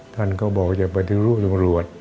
ท่านก็บอกจะปฏิรูปจังหลวด